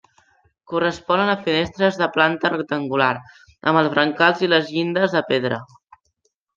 Corresponen a finestres de planta rectangular, amb els brancals i les llindes de pedra.